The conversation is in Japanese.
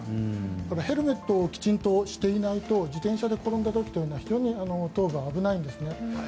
ヘルメットをきちんとしてないと自転車で転んだ時は非常に頭部、危ないんですね。